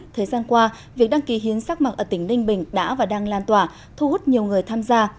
thời gian qua việc đăng ký hiến sắc mặc ở tỉnh ninh bình đã và đang lan tỏa thu hút nhiều người tham gia